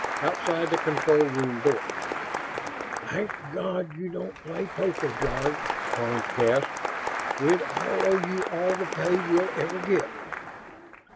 Outside the control room door, "Thank God you don't play poker, Jarve!" Karns gasped. "We'd all owe you all the pay we'll ever get!"